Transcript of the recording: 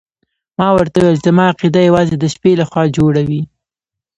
ما ورته وویل زما عقیده یوازې د شپې لخوا جوړه وي.